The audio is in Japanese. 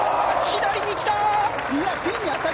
左に来た！